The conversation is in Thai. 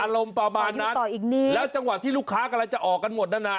อารมณ์ประมาณนั้นอยู่ต่ออีกนิดแล้วจังหวัดที่ลูกค้ากำลังจะออกกันหมดนั้นน่ะ